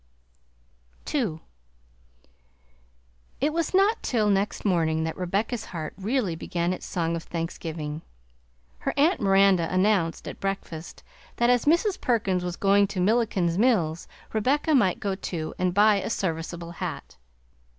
II It was not till next morning that Rebecca's heart really began its song of thanksgiving. Her Aunt Miranda announced at breakfast, that as Mrs. Perkins was going to Milliken's Mills, Rebecca might go too, and buy a serviceable hat.